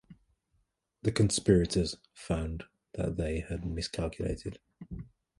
The conspirators found that they had miscalculated.